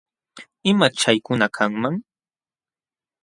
¿Imaćh chaykuna kanman?